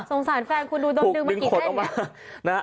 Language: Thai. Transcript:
สงสารแฟนคุณดูดมดึงมากี่แห้ง